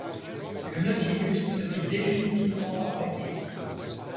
le Nautilus se vit définitivement enrayé.